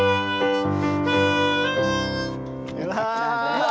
うわ。